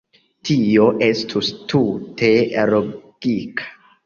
Tio estus tute logika.